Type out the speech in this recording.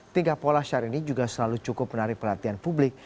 tingkah pola syarini juga selalu cukup menarik pelatihan publik